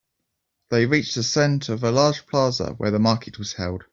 They reached the center of a large plaza where the market was held.